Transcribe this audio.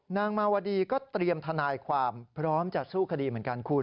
นางมาวดีก็เตรียมทนายความพร้อมจะสู้คดีเหมือนกันคุณ